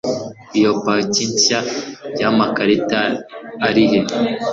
Iyo paki nshya yamakarita arihe